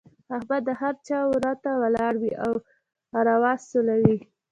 احمد د هر چا وره ته ولاړ وي او اروا سولوي.